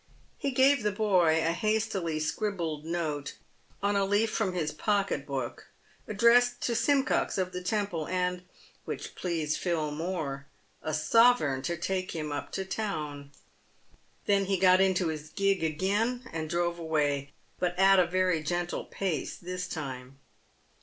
He gave the boy a hastily scribbled note — on a leaf from his pocket book — addressed to Simcox of the Temple, and — which pleased Phil more — a sovereign to take him up to town. Then he got into his gig again and drove away, but at a very gentle pace this time.